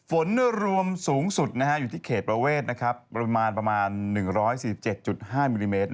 ฝนรวมสูงสุดอยู่ที่เขตประเวทประมาณประมาณ๑๔๗๕มิลลิเมตร